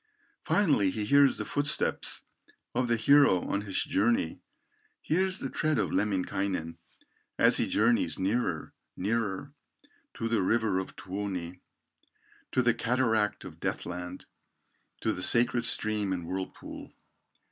Finally he hears the footsteps Of the hero on his journey, Hears the tread of Lemminkainen, As he journeys nearer, nearer, To the river of Tuoni, To the cataract of death land, To the sacred stream and whirlpool.